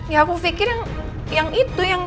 ya aku pikir yang itu